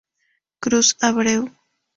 Cruz Abreu